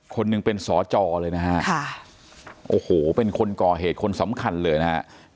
คนหนึ่งเป็นสอจอเลยนะฮะโอ้โหเป็นคนก่อเหตุคนสำคัญเลยนะฮะ